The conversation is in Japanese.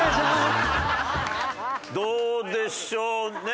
どうでしょうね？